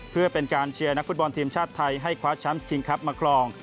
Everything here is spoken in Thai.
เพื่อเป็นการเชียร์นักฟุตบอลทีมชาติไทยให้คว้าแชมป์สคิงคลับมาครอง